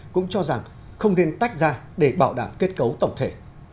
cũng cho rằng không nên tách ra để bảo đảm kết cấu tổng thể